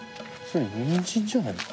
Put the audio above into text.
それにんじんじゃないか？